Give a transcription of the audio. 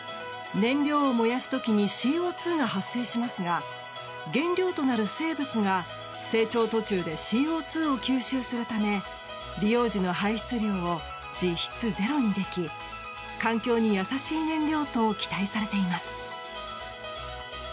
燃料を燃やす時にＣＯ２が発生しますが原料となる生物が成長途中でＣＯ２を吸収するため利用時の排出量を実質ゼロにでき環境に優しい燃料と期待されています。